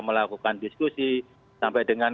melakukan diskusi sampai dengan